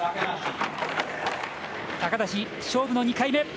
高梨、勝負の２回目。